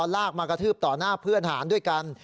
ลากมากระทืบต่อหน้าเพื่อนหารด้วยกัน